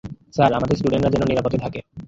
Sir, আমাদের স্টুডেন্টরা যেন নিরাপদে থাকে।